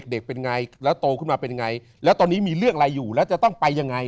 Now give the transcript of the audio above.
เป็นไงแล้วโตขึ้นมาเป็นไงแล้วตอนนี้มีเรื่องอะไรอยู่แล้วจะต้องไปยังไง